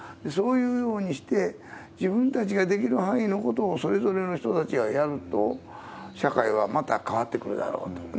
そういうようにして、自分たちができる範囲のことをそれぞれの人たちがやると、社会はまた変わってくるだろうと。